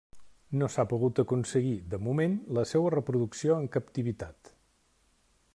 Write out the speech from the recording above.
No s'ha pogut aconseguir, de moment, la seua reproducció en captivitat.